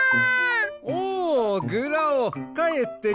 おおグラオかえってきたか。